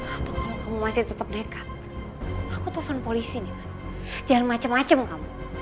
atau kalau kamu masih tetep dekat aku telfon polisi nih mas jangan macem macem kamu